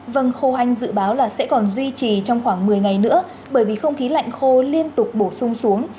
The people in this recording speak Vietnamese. vâng khô hanh dự báo là sẽ còn duy trì trong khoảng một mươi ngày nữa bởi vì không khí lạnh khô liên tục bổ sung xuống